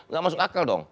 gak masuk akal dong